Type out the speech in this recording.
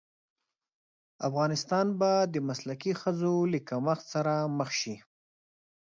افغانستان به د مسلکي ښځو له کمښت سره مخ شي.